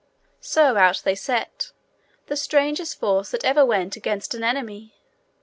So out they set, the strangest force that ever went against an enemy.